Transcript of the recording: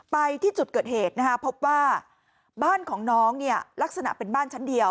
ไปที่จุดเกิดเหตุนะฮะพบว่าบ้านของน้องเนี่ยลักษณะเป็นบ้านชั้นเดียว